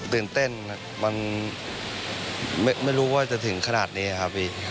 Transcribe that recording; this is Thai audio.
ตื่นเต้นครับมันไม่รู้ว่าจะถึงขนาดนี้ครับพี่